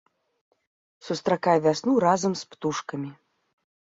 Сустракай вясну разам з птушкамі!